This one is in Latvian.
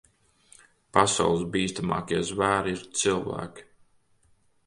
Pasaules bīstamākie zvēri ir cilvēki.